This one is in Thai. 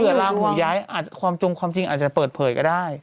ลาหูย้ายอาจจะความจงความจริงอาจจะเปิดเผยก็ได้